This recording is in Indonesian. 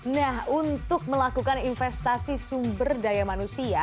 nah untuk melakukan investasi sumber daya manusia